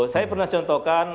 saya pernah contohkan